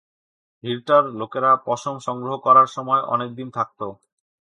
হির্টার লোকেরা পশম সংগ্রহ করার সময় কয়েক দিন থাকত।